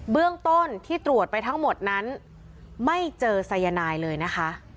เบื้องต้นที่ตรวจไปทั้งหมดนั้นไม่เจอสายนายเลยนะคะ